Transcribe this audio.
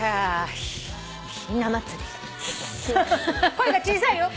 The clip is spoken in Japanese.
声が小さいよ。